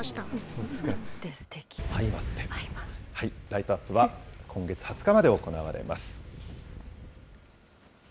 ライトアップは今月２０日まで行われます。